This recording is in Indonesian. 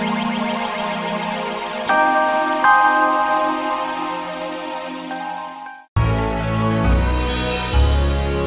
sambung agar benar pada kejapannya